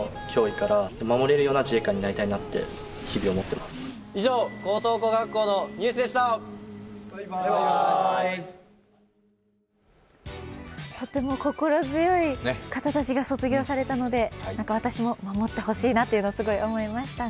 そんなドリル部の卒業ニュースはとても心強い方たちが卒業されたので私も守ってほしいなというのをすごい思いましたね。